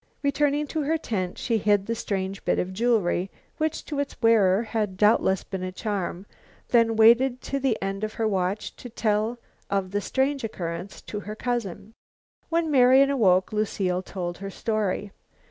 Returning to her tent, she hid the strange bit of jewelry, which, to its wearer, had doubtless been a charm, then waited the end of her watch to tell of the strange occurrence to her cousin. When Marian awoke Lucile told her story.